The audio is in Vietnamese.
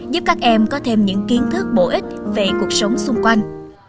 giúp các em có thêm những kiến thức bổ ích về cuộc sống xung quanh